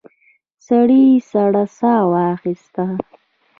سړي سړه ساه واخیسته.